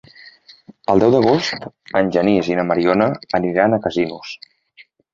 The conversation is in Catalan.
El deu d'agost en Genís i na Mariona aniran a Casinos.